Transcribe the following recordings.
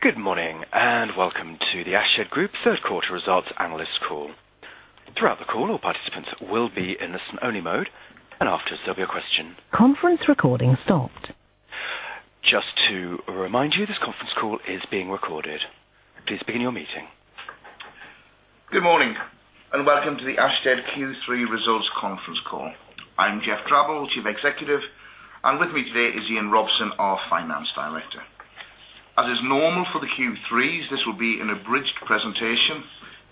Good morning and welcome to the Ashtead Group third-quarter results analyst call. Throughout the call, all participants will be in listen-only mode, and after, there'll be a question. Conference recording stopped. Just to remind you, this conference call is being recorded. Please begin your meeting. Good morning and welcome to the Ashtead Q3 results conference call. I'm Geoff Drabble, Chief Executive, and with me today is Ian Robson, our Finance Director. As is normal for the Q3s, this will be an abridged presentation,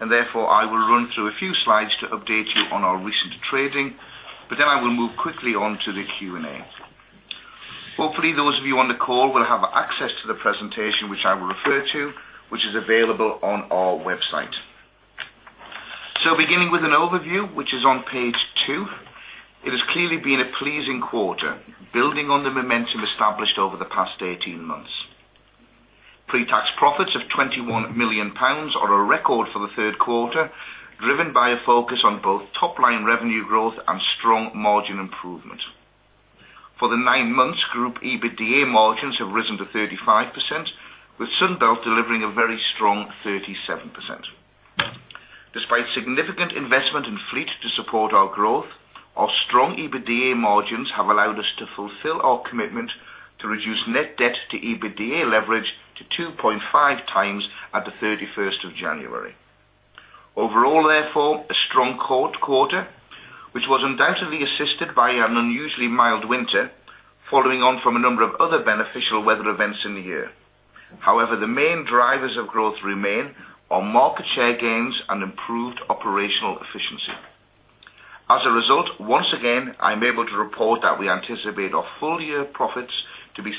and therefore, I will run through a few slides to update you on our recent trading, but then I will move quickly on to the Q&A. Hopefully, those of you on the call will have access to the presentation, which I will refer to, which is available on our website. Beginning with an overview, which is on page two, it has clearly been a pleasing quarter, building on the momentum established over the past 18 months. Pre-tax profits of 21 million pounds are a record for the third quarter, driven by a focus on both top-line revenue growth and strong margin improvement. For the nine months, Group EBITDA margins have risen to 35%, with Sunbelt delivering a very strong 37%. Despite significant investment in fleet to support our growth, our strong EBITDA margins have allowed us to fulfill our commitment to reduce net debt to EBITDA leverage to 2.5x at the 31st of January. Overall, therefore, a strong quarter, which was undoubtedly assisted by an unusually mild winter, following on from a number of other beneficial weather events in the year. However, the main drivers of growth remain our market share gains and improved operational efficiency. As a result, once again, I'm able to report that we anticipate our full-year profits to be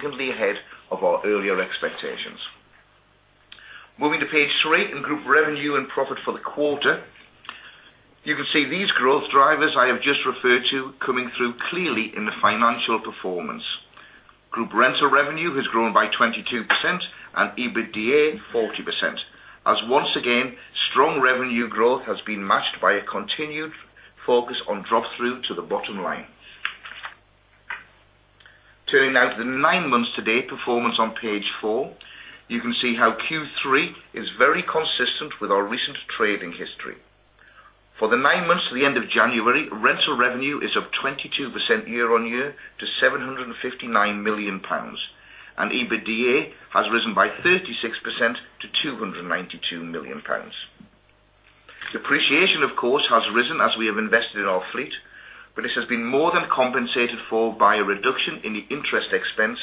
significantly ahead of our earlier expectations. Moving to page three in Group revenue and profit for the quarter, you can see these growth drivers I have just referred to coming through clearly in the financial performance. Group rental revenue has grown by 22% and EBITDA 40%, as once again, strong revenue growth has been matched by a continued focus on drop-through to the bottom line. Turning to the nine months to date, performance on page four, you can see how Q3 is very consistent with our recent trading history. For the nine months to the end of January, rental revenue is up 22% year-on-year to 759 million pounds, and EBITDA has risen by 36% to 292 million pounds. Depreciation, of course, has risen as we have invested in our fleet, but this has been more than compensated for by a reduction in the interest expense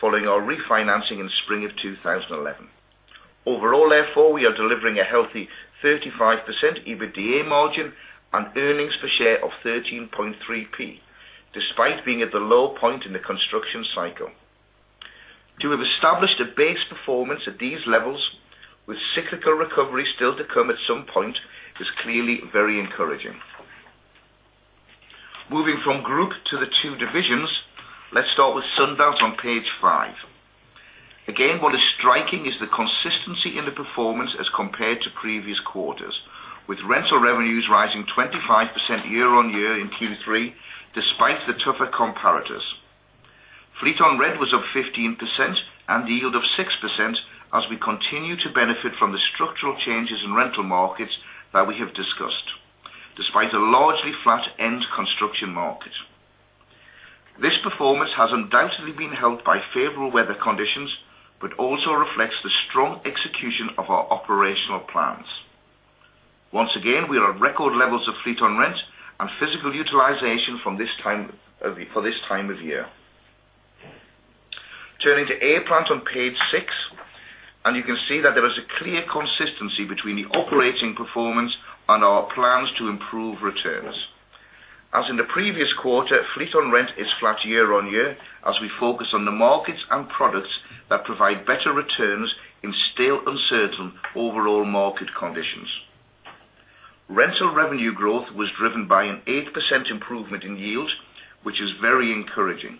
following our refinancing in spring of 2011. Overall, therefore, we are delivering a healthy 35% EBITDA margin and earnings per share of 13.3p, despite being at the low point in the construction cycle. To have established a base performance at these levels, with cyclical recovery still to come at some point, is clearly very encouraging. Moving from Group to the two divisions, let's start with Sunbelt Rentals on page five. Again, what is striking is the consistency in the performance as compared to previous quarters, with rental revenues rising 25% year-on-year in Q3, despite the tougher comparators. Fleet on rent was up 15% and yield of 6%, as we continue to benefit from the structural changes in rental markets that we have discussed, despite a largely flat end construction market. This performance has undoubtedly been helped by favorable weather conditions, but also reflects the strong execution of our operational plans. Once again, we are at record levels of fleet on rent and physical utilization for this time of year. Turning to A-Plant on page six, you can see that there is a clear consistency between the operating performance and our plans to improve returns. As in the previous quarter, fleet on rent is flat year-on-year as we focus on the markets and products that provide better returns in still uncertain overall market conditions. Rental revenue growth was driven by an 8% improvement in yield, which is very encouraging.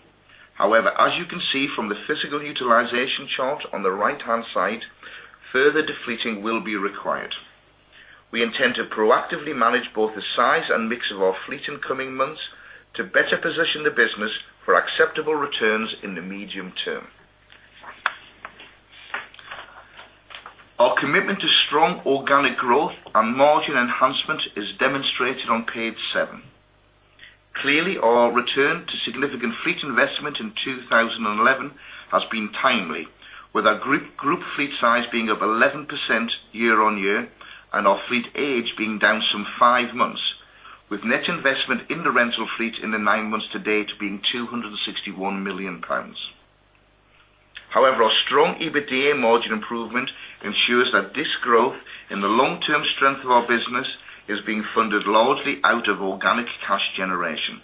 However, as you can see from the physical utilization chart on the right-hand side, further de-fleeting will be required. We intend to proactively manage both the size and mix of our fleet in coming months to better position the business for acceptable returns in the medium term. Our commitment to strong organic growth and margin enhancement is demonstrated on page seven. Clearly, our return to significant fleet investment in 2011 has been timely, with our Group fleet size being up 11% year-on-year and our fleet age being down some five months, with net investment in the rental fleet in the nine months to date being 261 million pounds. However, our strong EBITDA margin improvement ensures that this growth in the long-term strength of our business is being funded largely out of organic cash generation.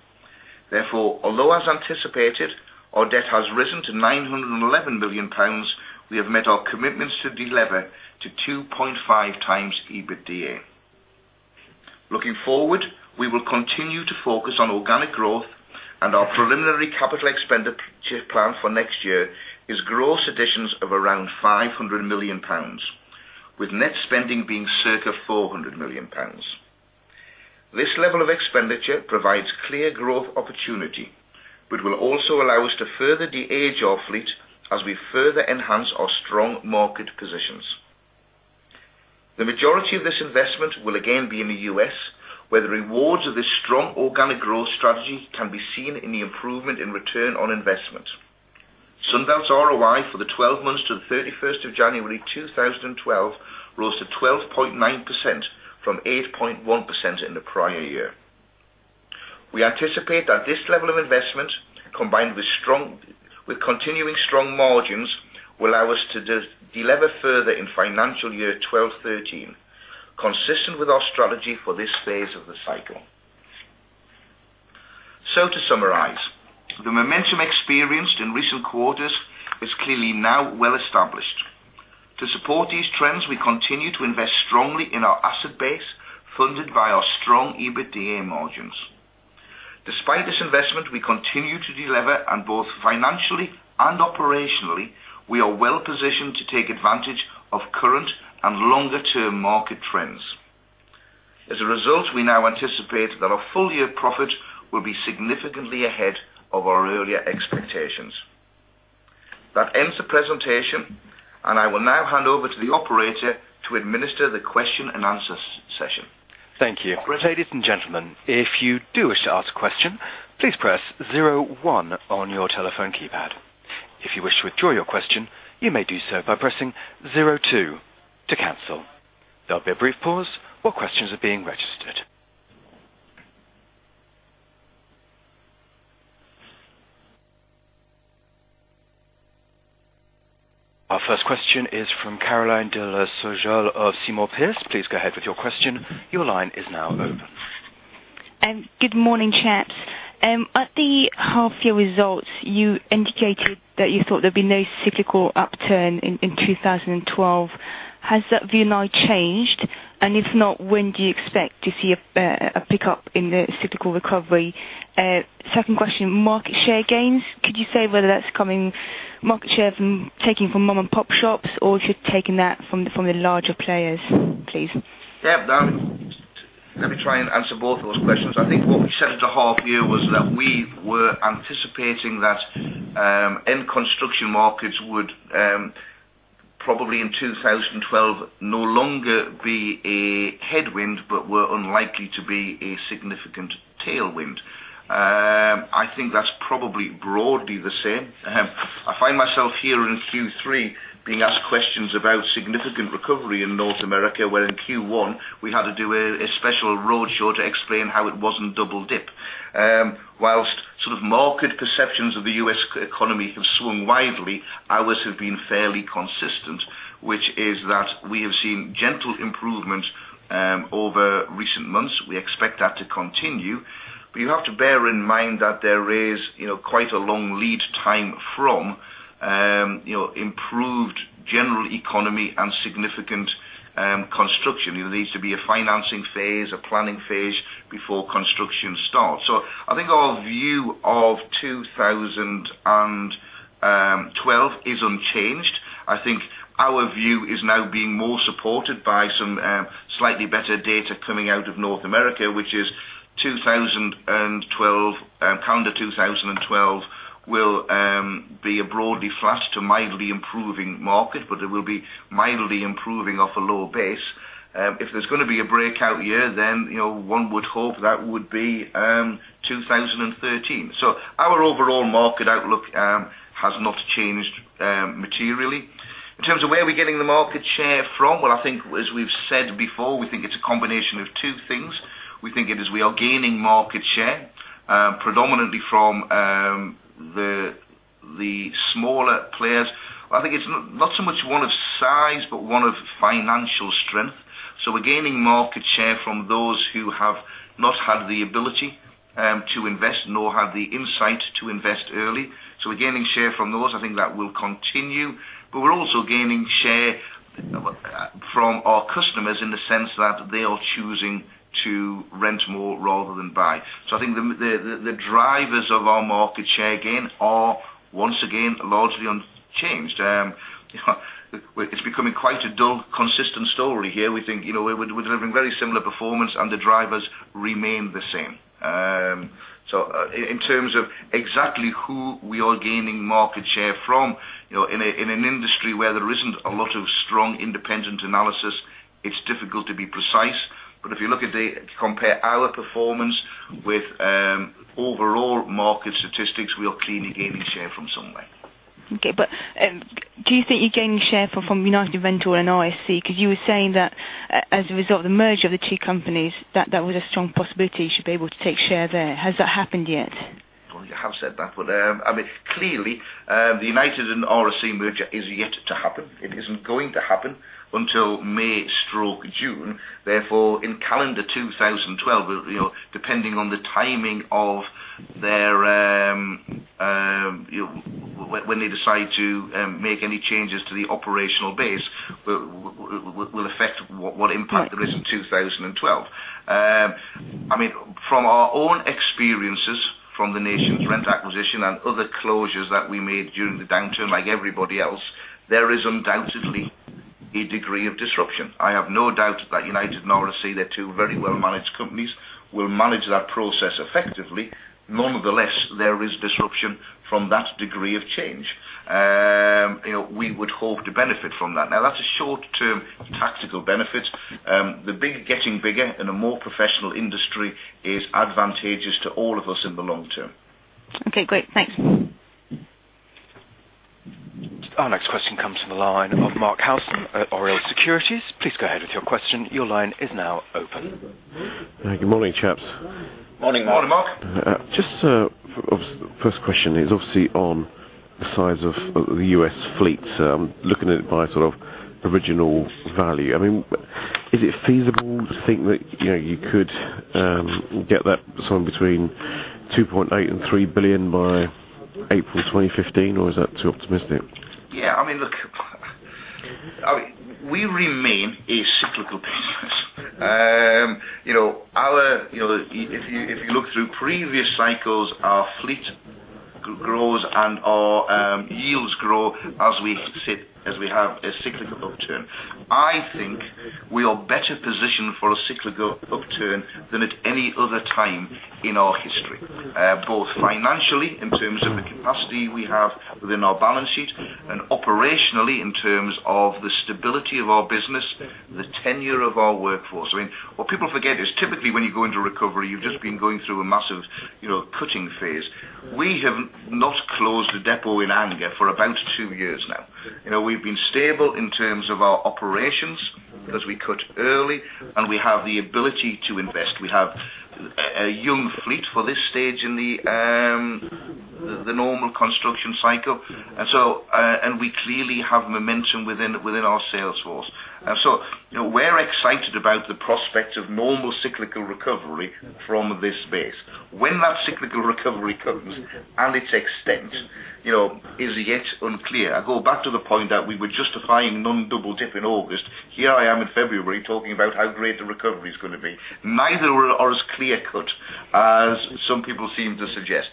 Therefore, although as anticipated, our debt has risen to 911 million pounds, we have met our commitments to deliver to 2.5x EBITDA. Looking forward, we will continue to focus on organic growth, and our preliminary capital expenditure plan for next year is gross additions of around 500 million pounds, with net spending being circa 400 million pounds. This level of expenditure provides clear growth opportunity, but will also allow us to further de-age our fleet as we further enhance our strong market positions. The majority of this investment will again be in the U.S., where the rewards of this strong organic growth strategy can be seen in the improvement in return on investment. Sunbelt's ROI for the 12 months to January 31, 2012, rose to 12.9% from 8.1% in the prior year. We anticipate that this level of investment, combined with continuing strong margins, will allow us to deliver further in financial year 2012-2013, consistent with our strategy for this phase of the cycle. To summarize, the momentum experienced in recent quarters is clearly now well established. To support these trends, we continue to invest strongly in our asset base funded by our strong EBITDA margins. Despite this investment, we continue to deliver and both financially and operationally, we are well positioned to take advantage of current and longer-term market trends. As a result, we now anticipate that our full-year profit will be significantly ahead of our earlier expectations. That ends the presentation, and I will now hand over to the operator to administer the question and answer session. Thank you. Ladies and gentlemen, if you do wish to ask a question, please press zero one on your telephone keypad. If you wish to withdraw your question, you may do so by pressing zero two to cancel. There will be a brief pause while questions are being registered. Our first question is from Caroline de la Soujeole of Singer Capital. Please go ahead with your question. Your line is now open. Good morning. At the half-year results, you indicated that you thought there'd be no cyclical upturn in 2012. Has that view now changed? If not, when do you expect to see a pickup in the cyclical recovery? Second question, market share gains. Could you say whether that's coming market share from taking from mom-and-pop shops or if you're taking that from the larger players, please? Yeah, let me try and answer both of those questions. I think what we said at the half-year was that we were anticipating that end construction markets would probably in 2012 no longer be a headwind, but were unlikely to be a significant tailwind. I think that's probably broadly the same. I find myself here in Q3 being asked questions about significant recovery in North America, where in Q1 we had to do a special roadshow to explain how it wasn't double dip. Whilst sort of market perceptions of the U.S. economy have swung widely, ours have been fairly consistent, which is that we have seen gentle improvements over recent months. We expect that to continue. You have to bear in mind that there is quite a long lead time from improved general economy and significant construction. It needs to be a financing phase, a planning phase before construction starts. I think our view of 2012 is unchanged. I think our view is now being more supported by some slightly better data coming out of North America, which is calendar 2012 will be a broadly flat to mildly improving market, but it will be mildly improving off a low base. If there's going to be a breakout year, then one would hope that would be 2013. Our overall market outlook has not changed materially. In terms of where we're getting the market share from, I think as we've said before, we think it's a combination of two things. We think it is we are gaining market share predominantly from the smaller players. I think it's not so much one of size, but one of financial strength. We're gaining market share from those who have not had the ability to invest, nor had the insight to invest early. We're gaining share from those. I think that will continue. We're also gaining share from our customers in the sense that they are choosing to rent more rather than buy. I think the drivers of our market share gain are, once again, largely unchanged. It's becoming quite a dull, consistent story here. We think we're delivering very similar performance and the drivers remain the same. In terms of exactly who we are gaining market share from, in an industry where there isn't a lot of strong independent analysis, it's difficult to be precise. If you look at the compare our performance with overall market statistics, we are clearly gaining share from somewhere. Okay, do you think you're gaining share from United Rentals and RSC? You were saying that as a result of the merger of the two companies, that was a strong possibility you should be able to take share there. Has that happened yet? I have said that, but I mean, clearly, the United Rentals and RSC merger is yet to happen. It isn't going to happen until May/June. Therefore, in calendar 2012, depending on the timing of when they decide to make any changes to the operational base, will affect what impact there is in 2012. I mean, from our own experiences from the NationsRent acquisition and other closures that we made during the downturn, like everybody else, there is undoubtedly a degree of disruption. I have no doubt that United Rentals and RSC, they're two very well-managed companies, will manage that process effectively. Nonetheless, there is disruption from that degree of change. We would hope to benefit from that. Now, that's a short-term tactical benefit. The getting bigger in a more professional industry is advantageous to all of us in the long term. Okay, great. Thanks. Our next question comes from the line of Mark Rosen at Oriel Securities. Please go ahead with your question. Your line is now open. Hi, good morning, chaps. Morning, Mark. Just the first question is obviously on the size of the U.S. fleet. I'm looking at it by sort of original value. I mean, is it feasible to think that you could get that somewhere between 2.8 billion and 3 billion by April 2015, or is that too optimistic? Yeah, I mean, look, we remain a cyclical business. If you look through previous cycles, our fleet grows and our yields grow as we sit as we have a cyclical upturn. I think we are better positioned for a cyclical upturn than at any other time in our history, both financially in terms of the capacity we have within our balance sheet and operationally in terms of the stability of our business, the tenure of our workforce. What people forget is typically when you go into recovery, you've just been going through a massive cutting phase. We have not closed the depot in anger for about two years now. We've been stable in terms of our operations as we cut early and we have the ability to invest. We have a young fleet for this stage in the normal construction cycle, so we clearly have momentum within our sales force. We're excited about the prospects of normal cyclical recovery from this space. When that cyclical recovery comes and its extent is yet unclear, I go back to the point that we were justifying non-double dip in August. Here I am in February talking about how great the recovery is going to be. Neither are as clear-cut as some people seem to suggest.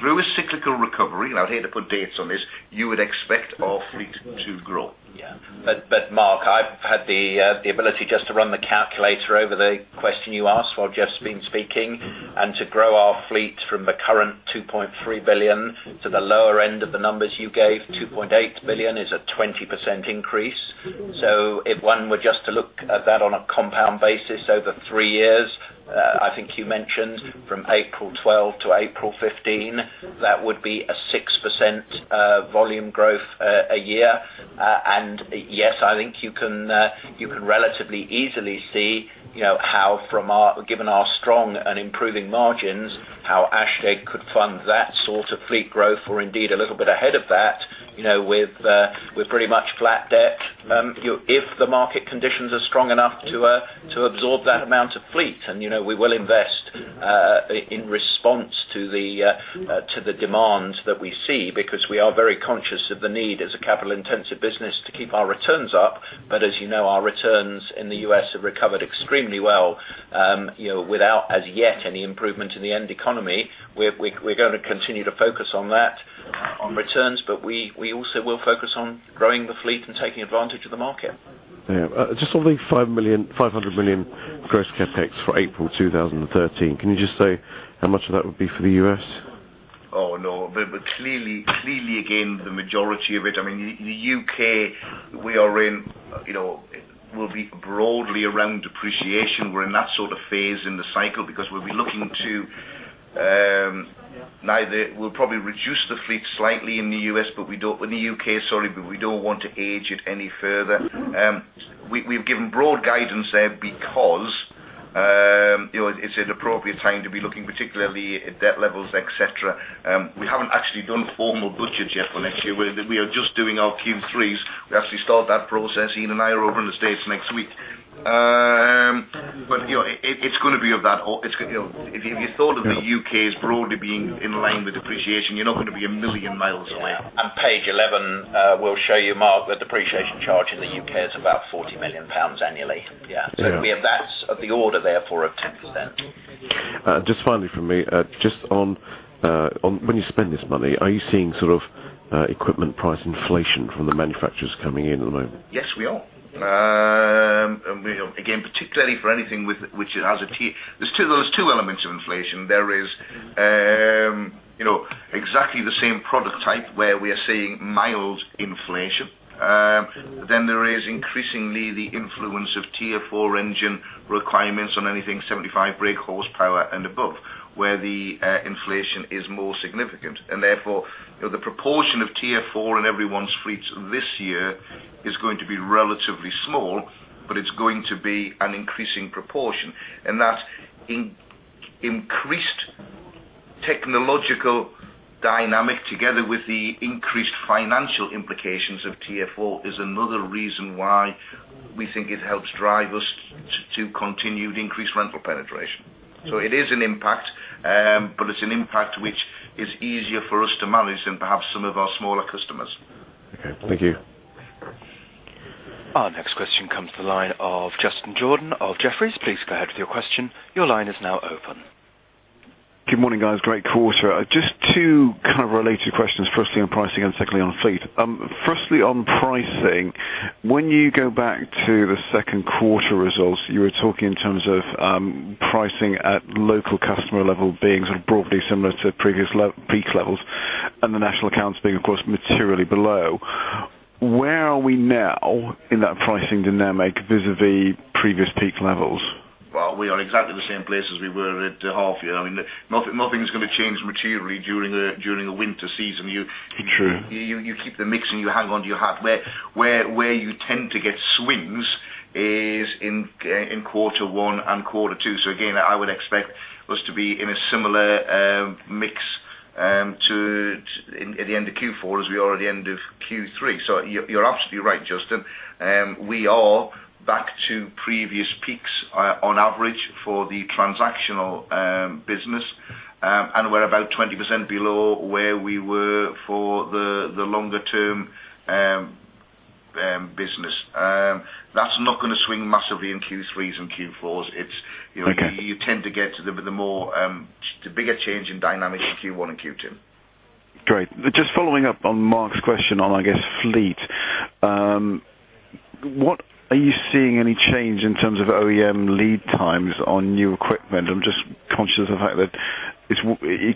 Through a cyclical recovery, and I'd hate to put dates on this, you would expect our fleet to grow. Yeah, but Mark, I've had the ability just to run the calculator over the question you asked while Geoff's been speaking, and to grow our fleet from the current 2.3 billion to the lower end of the numbers you gave, 2.8 billion is a 20% increase. If one were just to look at that on a compound basis over three years, I think you mentioned from April 2012 to April 2015, that would be a 6% volume growth a year. Yes, I think you can relatively easily see how, given our strong and improving margins, how Ashtead could fund that sort of fleet growth or indeed a little bit ahead of that with pretty much flat debt. If the market conditions are strong enough to absorb that amount of fleet, we will invest in response to the demands that we see because we are very conscious of the need as a capital-intensive business to keep our returns up. As you know, our returns in the U.S. have recovered extremely well without as yet any improvement in the end economy. We're going to continue to focus on that, on returns, but we also will focus on growing the fleet and taking advantage of the market. Yeah, just on the 500 million gross capital expenditure for April 2013, can you just say how much of that would be for the U.S.? Oh, no, but clearly, again, the majority of it, I mean, the U.K., we are in, you know, we'll be broadly around depreciation. We're in that sort of phase in the cycle because we'll be looking to neither, we'll probably reduce the fleet slightly in the U.S., but we don't, in the U.K., sorry, but we don't want to age it any further. We've given broad guidance there because it's an appropriate time to be looking particularly at debt levels, etc. We haven't actually done formal budgets yet for next year. We are just doing our Q3s. We actually start that process, Ian and I, are over in the States next week. It's going to be of that, if you thought of the U.K. as broadly being in line with depreciation, you're not going to be a million miles away. Page 11 will show you, Mark, the depreciation charge in the UK is about 40 million pounds annually. Yeah, that's the order there for a tenth of then. Just finally for me, just on when you spend this money, are you seeing sort of equipment price inflation from the manufacturers coming in at the moment? Yes, we are. Again, particularly for anything which has a tier. There are two elements of inflation. There is exactly the same product type where we are seeing mild inflation. Then there is increasingly the influence of Tier 4 engine requirements on anything 75 brake horsepower and above, where the inflation is more significant. Therefore, the proportion of Tier 4 in everyone's fleet this year is going to be relatively small, but it's going to be an increasing proportion. That increased technological dynamic, together with the increased financial implications of Tier 4, is another reason why we think it helps drive us to continue to increase rental penetration. It is an impact, but it's an impact which is easier for us to manage than perhaps some of our smaller customers. Okay, thank you. Our next question comes to the line of Justin Jordan of Jefferies. Please go ahead with your question. Your line is now open. Good morning, guys. Great quarter. I've just two kind of related questions. Firstly on pricing and secondly on fleet. Firstly on pricing, when you go back to the second quarter results, you were talking in terms of pricing at local customer level being sort of broadly similar to previous peak levels and the national accounts being, of course, materially below. Where are we now in that pricing dynamic vis-à-vis previous peak levels? We are exactly the same place as we were at the half year. Nothing's going to change materially during a winter season. You keep the mix and you hang onto your hat. Where you tend to get swings is in quarter one and quarter two. I would expect us to be in a similar mix at the end of Q4 as we are at the end of Q3. You're absolutely right, Justin. We are back to previous peaks on average for the transactional business, and we're about 20% below where we were for the longer-term business. That's not going to swing massively in Q3s and Q4s. You tend to get the bigger change in dynamics in Q1 and Q2. Great. Just following up on Mark's question on, I guess, fleet. Are you seeing any change in terms of OEM lead times on new equipment? I'm just conscious of the fact that it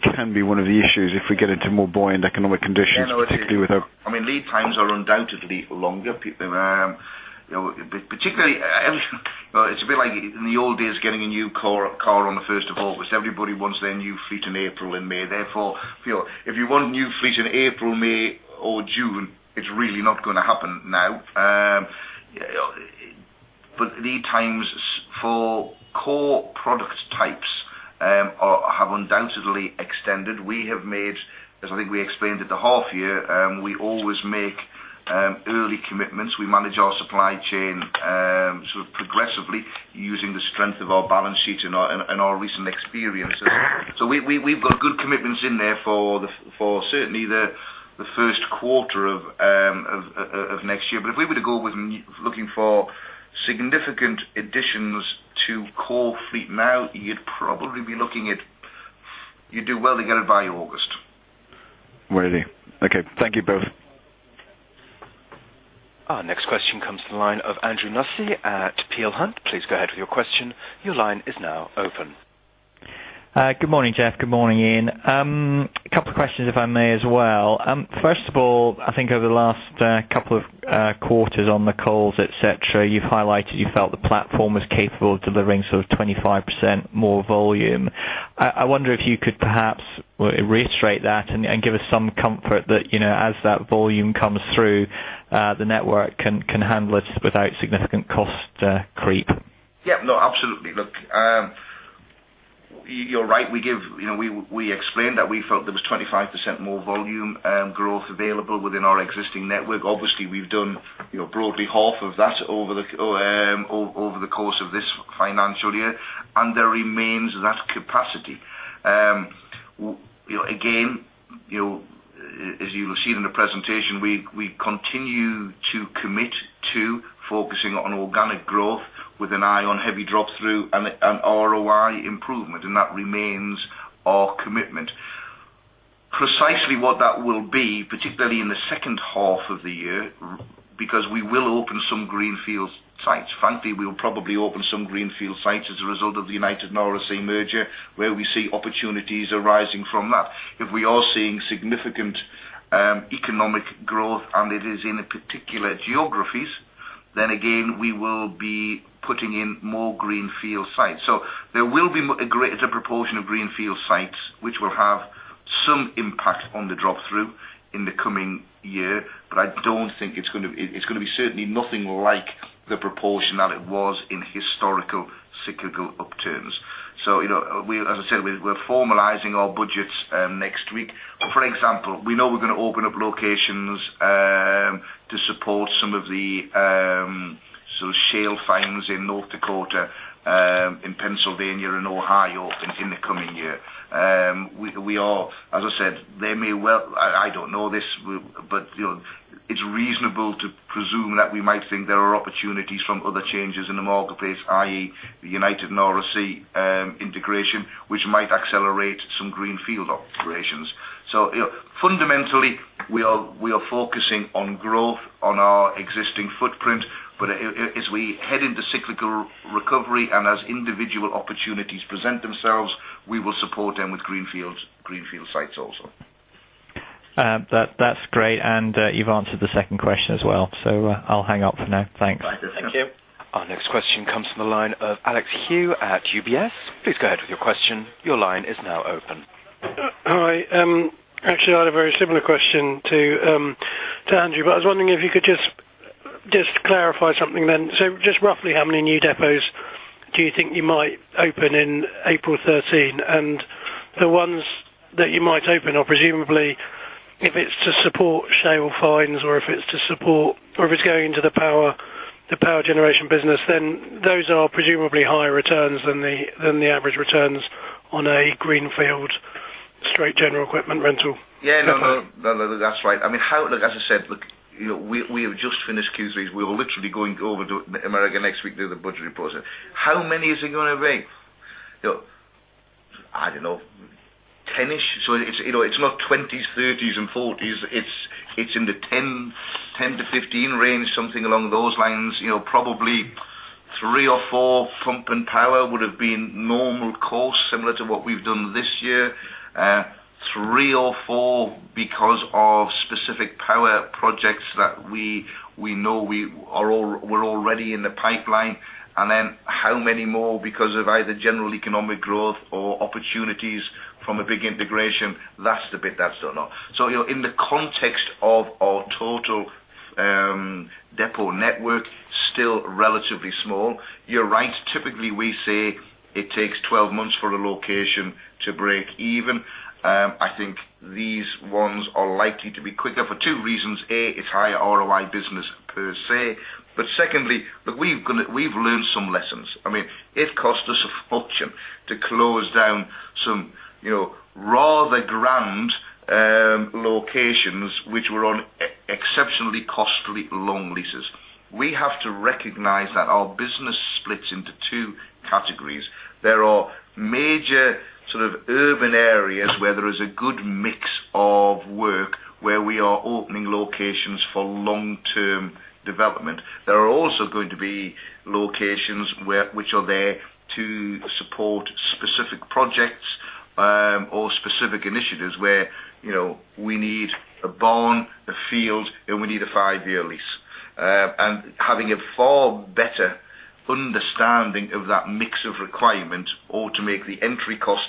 can be one of the issues if we get into more buoyant economic conditions. I mean, lead times are undoubtedly longer. Particularly, it's a bit like in the old days getting a new car on the 1st of August. Everybody wants their new fleet in April and May. Therefore, if you want new fleet in April, May, or June, it's really not going to happen now. Lead times for core product types have undoubtedly extended. We have made, as I think we explained at the half year, we always make early commitments. We manage our supply chain progressively using the strength of our balance sheet and our recent experiences. We've got good commitments in there for certainly the first quarter of next year. If we were to go with looking for significant additions to core fleet now, you'd probably be looking at, you'd do well to get it by August. Really? Okay. Thank you both. Our next question comes from the line of Andrew Nussey at Peel Hunt. Please go ahead with your question. Your line is now open. Good morning, Geoff. Good morning, Ian. A couple of questions, if I may as well. First of all, I think over the last couple of quarters on the calls, you've highlighted you felt the platform was capable of delivering sort of 25% more volume. I wonder if you could perhaps reiterate that and give us some comfort that, as that volume comes through, the network can handle it without significant cost creep. Yeah, no, absolutely. Look, you're right. We explained that we felt there was 25% more volume growth available within our existing network. Obviously, we've done broadly half of that over the course of this financial year, and there remains that capacity. Again, as you'll have seen in the presentation, we continue to commit to focusing on organic growth with an eye on heavy drop-through and ROI improvement, and that remains our commitment. Precisely what that will be, particularly in the second half of the year, because we will open some greenfield sites. Frankly, we'll probably open some greenfield sites as a result of the United Rentals and RSC merger, where we see opportunities arising from that. If we are seeing significant economic growth and it is in particular geographies, then again, we will be putting in more greenfield sites. There will be a greater proportion of greenfield sites which will have some impact on the drop-through in the coming year. I don't think it's going to be certainly anything like the proportion that it was in historical cyclical upturns. As I said, we're formalizing our budgets next week. For example, we know we're going to open up locations to support some of the shale finds in North Dakota, in Pennsylvania, and Ohio in the coming year. As I said, they may well, I don't know this, but it's reasonable to presume that we might think there are opportunities from other changes in the marketplace, i.e., the United Rentals and RSC integration, which might accelerate some greenfield operations. Fundamentally, we are focusing on growth on our existing footprint. As we head into cyclical recovery and as individual opportunities present themselves, we will support them with greenfield sites also. That's great. You've answered the second question as well. I'll hang up for now. Thanks. Thank you. Our next question comes from the line of Alex Hugh at UBS. Please go ahead with your question. Your line is now open. All right. I had a very similar question to Andrew, but I was wondering if you could just clarify something then. Roughly how many new depots do you think you might open in April 2013? The ones that you might open are presumably, if it's to support shale finds or if it's to support, or if it's going into the power generation business, then those are presumably higher returns than the average returns on a greenfield straight general equipment rental. Yeah, that's right. I mean, look, as I said, we have just finished Q3s. We were literally going over to America next week to do the budgeting process. How many is it going to be? I don't know, 10-ish? It's not 20s, 30s, and 40s. It's in the 10-15 range, something along those lines. Probably three or four pump and power would have been normal costs, similar to what we've done this year. Three or four because of specific power projects that we know are already in the pipeline. Then how many more because of either general economic growth or opportunities from a big integration? That's the bit that's done off. In the context of our total depot network, still relatively small. You're right. Typically, we say it takes 12 months for a location to break even. I think these ones are likely to be quicker for two reasons. A, it's higher ROI business per se. Secondly, we've learned some lessons. It cost us a fortune to close down some rather grand locations which were on exceptionally costly long leases. We have to recognize that our business splits into two categories. There are major sort of urban areas where there is a good mix of work, where we are opening locations for long-term development. There are also going to be locations which are there to support specific projects or specific initiatives where we need a barn, a field, and we need a five-year lease. Having a far better understanding of that mix of requirement or to make the entry cost.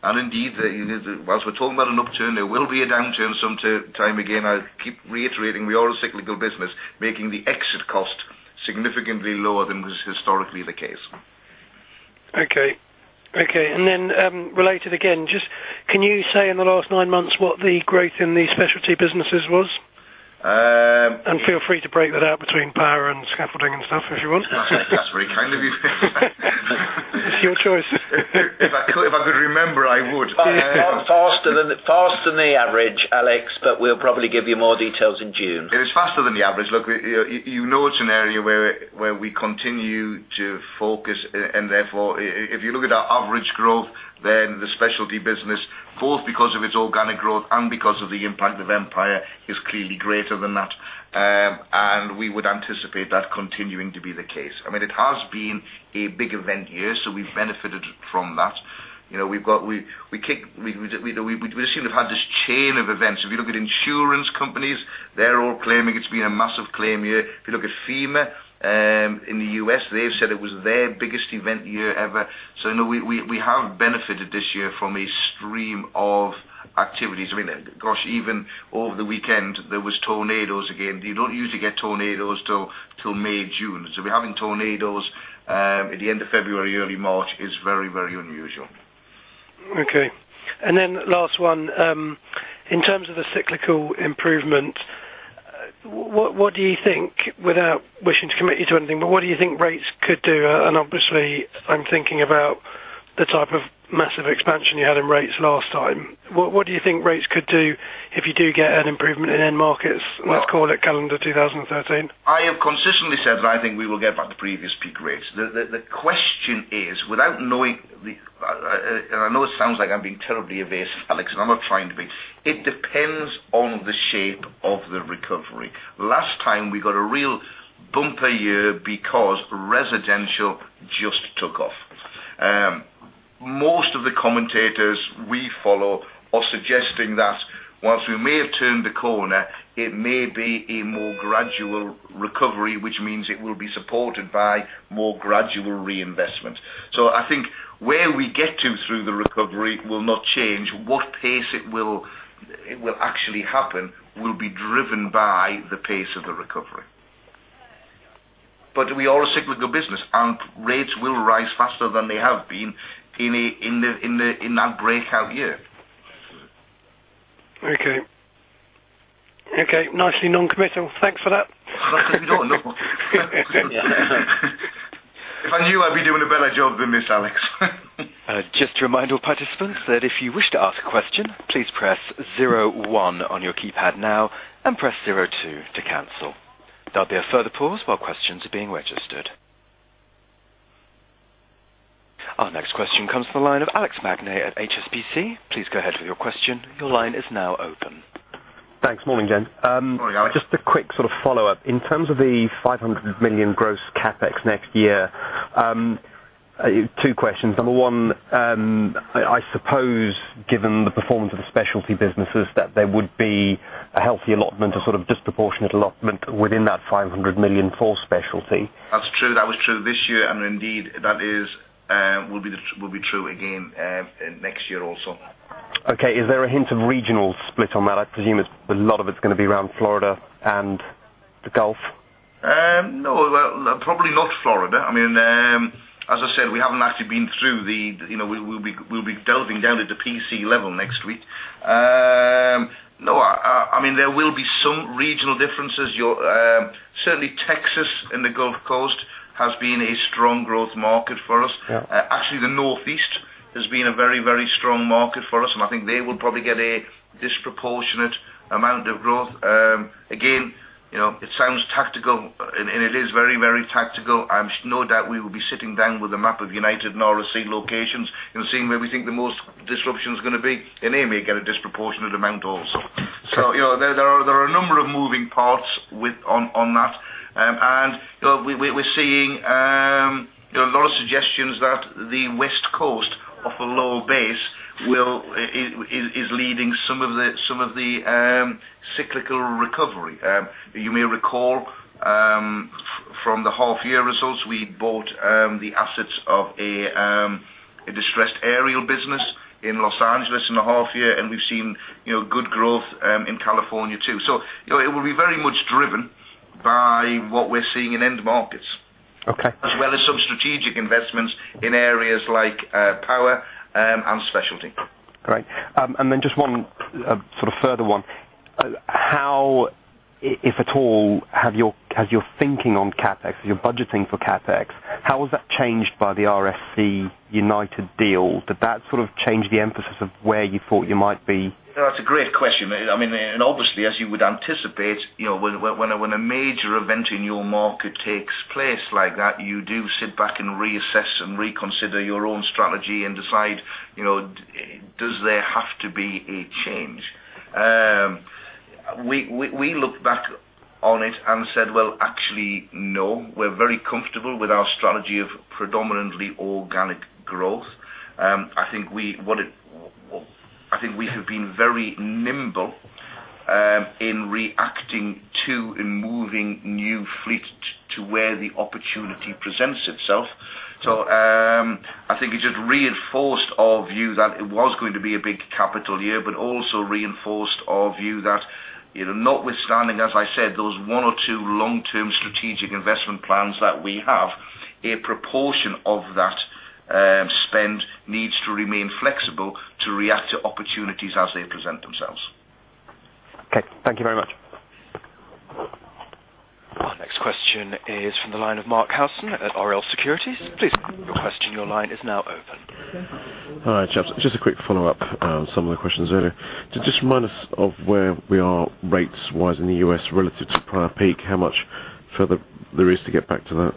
Indeed, as we're talking about an upturn, there will be a downturn sometime again. I keep reiterating we are a cyclical business, making the exit cost significantly lower than was historically the case. Okay. Okay. Can you say in the last nine months what the growth in these specialty businesses was? Feel free to break that out between power and scaffolding and stuff if you want. That's very kind of you. It's your choice. If I could remember, I would. It was faster than the average, Alex, but we'll probably give you more details in June. It was faster than the average. Look, you know it's an area where we continue to focus. Therefore, if you look at our average growth, then the specialty business, both because of its organic growth and because of the impact of Empire, is clearly greater than that. We would anticipate that continuing to be the case. I mean, it has been a big event year, so we've benefited from that. We've seen we've had this chain of events. If you look at insurance companies, they're all claiming it's been a massive claim year. If you look at FEMA in the U.S., they've said it was their biggest event year ever. You know, we have benefited this year from a stream of activities. I mean, gosh, even over the weekend, there were tornadoes again. You don't usually get tornadoes till May, June. We're having tornadoes at the end of February, early March is very, very unusual. Okay. In terms of the cyclical improvement, what do you think, without wishing to commit you to anything, but what do you think rates could do? Obviously, I'm thinking about the type of massive expansion you had in rates last time. What do you think rates could do if you do get an improvement in end markets? Let's call it calendar 2013. I have consistently said that I think we will get back to previous peak rates. The question is, without knowing, and I know it sounds like I'm being terribly evasive, Alex, and I'm not trying to be, it depends on the shape of the recovery. Last time, we got a real bumper year because residential just took off. Most of the commentators we follow are suggesting that whilst we may have turned the corner, it may be a more gradual recovery, which means it will be supported by more gradual reinvestment. I think where we get to through the recovery will not change. What pace it will actually happen will be driven by the pace of the recovery. We are a cyclical business and rates will rise faster than they have been in that breakout year. Okay. Okay. Nicely non-committal. Thanks for that. If I knew, I'd be doing a better job than this, Alex. Just a reminder, participants, that if you wish to ask a question, please press zero one on your keypad now and press zero two to cancel. There will be a further pause while questions are being registered. Our next question comes from the line of Alex Pease at HSBC. Please go ahead with your question. Your line is now open. Thanks. Morning, gents. Morning, Alex. Just a quick sort of follow-up. In terms of the 500 million gross capital expenditure next year, two questions. Number one, I suppose given the performance of the specialty businesses that there would be a healthy allotment, a sort of disproportionate allotment within that 500 million for specialty. That's true. That was true this year. That will be true again next year also. Okay. Is there a hint of regional split on that? I presume a lot of it's going to be around Florida and the Gulf Coast? No, probably not Florida. As I said, we haven't actually been through the, you know, we'll be delving down into PC level next week. There will be some regional differences. Certainly, Texas and the Gulf Coast have been a strong growth market for us. Actually, the Northeast has been a very, very strong market for us, and I think they will probably get a disproportionate amount of growth. It sounds tactical, and it is very, very tactical. I have no doubt we will be sitting down with a map of United and RSC locations and seeing where we think the most disruption is going to be. They may get a disproportionate amount also. There are a number of moving parts on that. We're seeing a lot of suggestions that the West Coast off a low base is leading some of the cyclical recovery. You may recall from the half-year results, we bought the assets of a distressed aerial business in Los Angeles in the half year, and we've seen good growth in California too. It will be very much driven by what we're seeing in end markets, as well as some strategic investments in areas like power and specialty. Great. Just one sort of further one. How, if at all, has your thinking on CapEx, your budgeting for CapEx, how has that changed by the RSC United deal? Did that change the emphasis of where you thought you might be? That's a great question. Obviously, as you would anticipate, when a major event in your market takes place like that, you do sit back and reassess and reconsider your own strategy and decide, you know, does there have to be a change? We looked back on it and said, actually, no, we're very comfortable with our strategy of predominantly organic growth. I think we have been very nimble in reacting to and moving new fleet to where the opportunity presents itself. I think it just reinforced our view that it was going to be a big capital year, but also reinforced our view that, notwithstanding, as I said, those one or two long-term strategic investment plans that we have, a proportion of that spend needs to remain flexible to react to opportunities as they present themselves. Okay, thank you very much. Our next question is from the line of Mark Rosen at Oriel Securities. Please move your question. Your line is now open. All right, chaps. Just a quick follow-up on some of the questions earlier. To just remind us of where we are rates-wise in the U.S. relative to the prior peak, how much further there is to get back to that?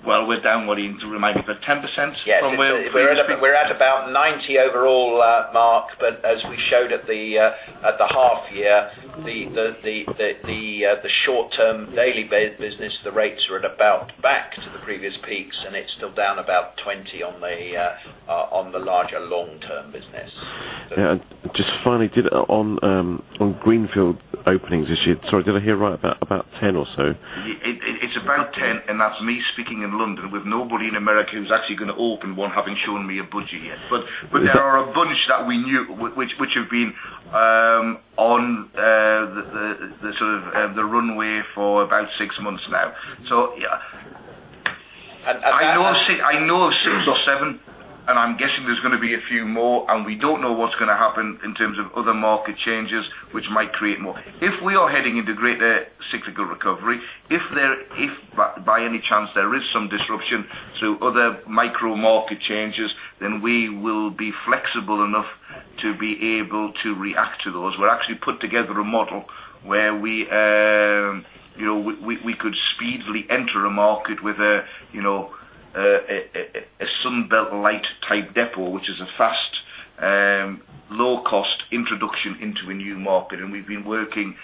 We're down, you need to remind me, but 10% from where we were? Yeah, we're at about 90 overall, Mark. As we showed at the half-year, the short-term daily business rates are at about back to the previous peaks, and it's still down about 20 on the larger long-term business. Just finally, on greenfield openings this year, did I hear right about 10 or so? It's about 10, and that's me speaking in London with nobody in America who's actually going to open one, having shown me a budget yet. There are a bunch that we knew which have been on the sort of the runway for about six months now. Yeah, I know six or seven, and I'm guessing there's going to be a few more, and we don't know what's going to happen in terms of other market changes which might create more. If we are heading into greater cyclical recovery, if by any chance there is some disruption through other micro market changes, we will be flexible enough to be able to react to those. We've actually put together a model where we could speedily enter a market with a Sunbelt Light type depot, which is a fast, low-cost introduction into a new market. We've been working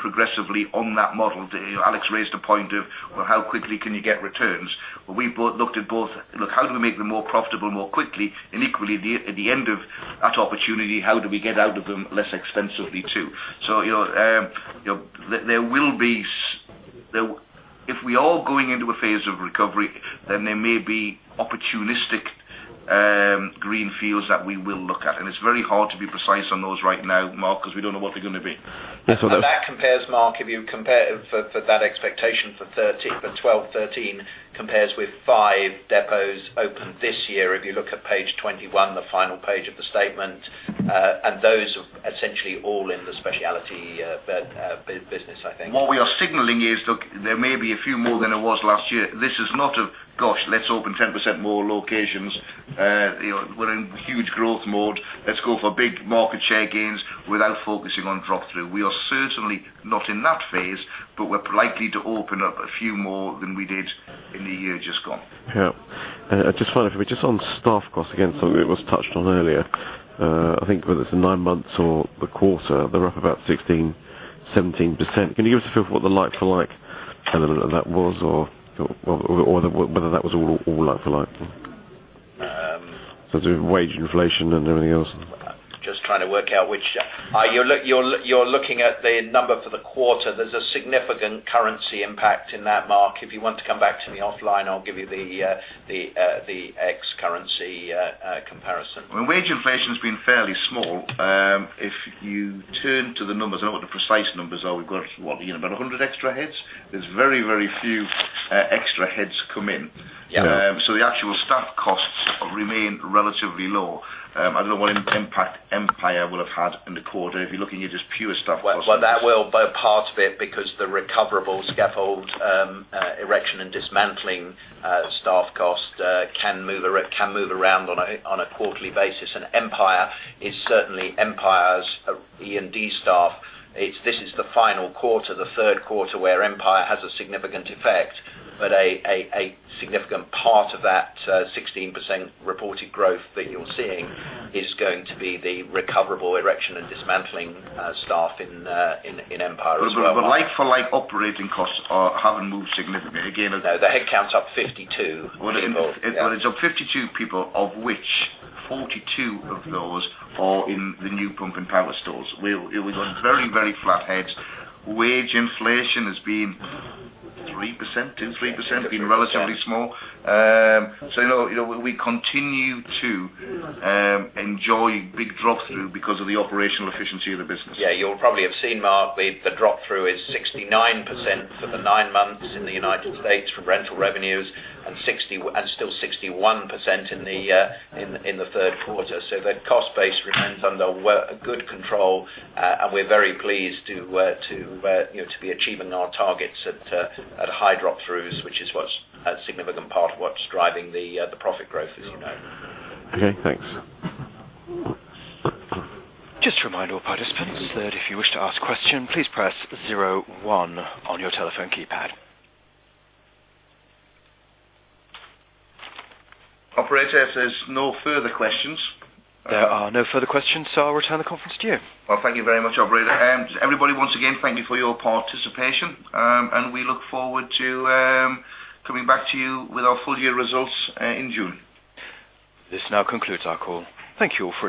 progressively on that model. Alex raised a point of, how quickly can you get returns? We've looked at both. Look, how do we make them more profitable more quickly? Equally, at the end of that opportunity, how do we get out of them less expensively too? There will be, if we are going into a phase of recovery, then there may be opportunistic greenfields that we will look at. It's very hard to be precise on those right now, Mark, because we don't know what they're going to be. That compares, Mark, if you compare for that expectation for 12, 13, it compares with five depots opened this year. If you look at page 21, the final page of the statement, those are essentially all in the specialty business, I think. What we are signaling is, look, there may be a few more than it was last year. This is not a, gosh, let's open 10% more locations. We're in huge growth mode. Let's go for big market share gains without focusing on drop-through. We are certainly not in that phase, but we're likely to open up a few more than we did in the year just gone. Yeah, I just wondered, if we're just on staff costs again, something that was touched on earlier, I think it was the nine months or the quarter, they're up about 16%, 17%. Can you give us a feel for what the like-for-like element of that was or whether that was all like-for-like? So wage inflation and everything else. Just trying to work out which, you're looking at the number for the quarter. There's a significant currency impact in that, Mark. If you want to come back to me offline, I'll give you the ex-currency comparison. Wage inflation has been fairly small. If you turn to the numbers, I don't know what the precise numbers are. We've got, what, about 100 extra heads? There's very, very few extra heads come in. The actual staff costs remain relatively low. I don't know what impact Empire will have had in the quarter if you're looking at just pure staff costs. That will be part of it because the recoverable scaffold erection and dismantling staff cost can move around on a quarterly basis. Empire is certainly Empire's E&D staff. This is the final quarter, the third quarter where Empire has a significant effect. A significant part of that 16% reported growth that you're seeing is going to be the recoverable erection and dismantling staff in Empire. Like-for-like operating costs haven't moved significantly. No, the headcount's up, 52 of those. It is up 52 people, of which 42 of those are in the new pump and power stores. We have very, very flat heads. Wage inflation has been 2%, 3%. It has been relatively small. We continue to enjoy big drop-through because of the operational efficiency of the business. You'll probably have seen, Mark, the drop-through is 69% for the nine months in the United States from rental revenues and still 61% in the third quarter. The cost base remains under good control, and we're very pleased to be achieving our targets at high drop-throughs, which is a significant part of what's driving the profit growth, as you know. Okay, thanks. Just a reminder, participants, that if you wish to ask a question, please press zero one on your telephone keypad. Operator, if there's no further questions. There are no further questions, so I'll return the conference to you. Thank you very much, operator. Everybody, once again, thank you for your participation. We look forward to coming back to you with our full-year results in June. This now concludes our call. Thank you all.